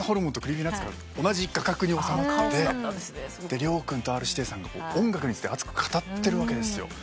亮君とＲ−指定さんが音楽について熱く語ってるわけですよ。